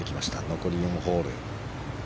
残り４ホール。